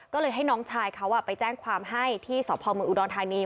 ก็เลยให้น้องชายเขาไปแจ้งความให้ที่สพเมืองอุดรธานี